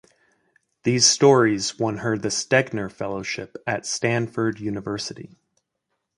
These stories won her the Stegner Fellowship at Stanford University.